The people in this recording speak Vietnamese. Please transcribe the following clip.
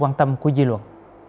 quan tâm của dư luận